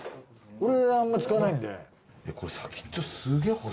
俺あんま使わないんで。